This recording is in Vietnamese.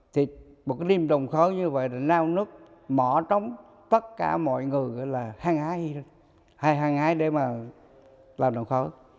thì một cái đêm đồng khởi như vậy là nao nước mở trống tất cả mọi người là hăng ái hay hăng ái để mà làm đồng khởi